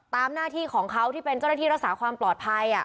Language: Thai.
หน้าที่ของเขาที่เป็นเจ้าหน้าที่รักษาความปลอดภัย